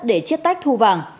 để chiết tách thu vàng